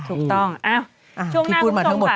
ถูกต้องช่วงหน้าคุณสงฝา